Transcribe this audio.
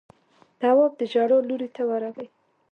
تواب د ژړا لورې ته ورغی.